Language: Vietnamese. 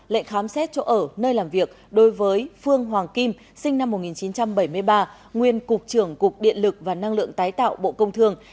lệnh khám xét chỗ ở nơi làm việc đối với phương hoàng kim sinh năm một nghìn chín trăm bảy mươi ba nguyên cục trưởng cục điện lực và năng lượng tái tạo bộ công thương